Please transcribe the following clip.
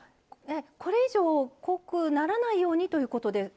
これ以上、濃くならないようにということで？